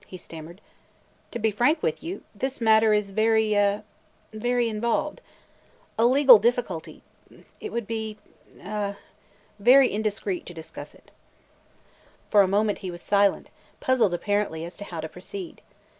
he stammered. "To be frank with you, this matter is very – er – very involved. A legal difficulty – it would be – er – very indiscreet to discuss it." For a moment he was silent, puzzled apparently as to how to proceed.